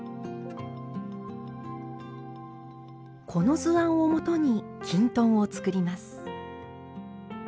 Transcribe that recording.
この図案をもとにきんとんを作ります。